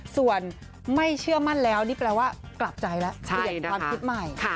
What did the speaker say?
ส่วนไม่เชื่อมั่นแล้วนี่แปลว่ากลับใจแล้วเปลี่ยนความคิดใหม่